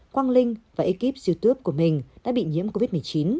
quang linh và ekip youtube của mình đã bị nhiễm covid một mươi chín